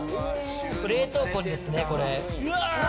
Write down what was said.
冷凍庫ですね、これ。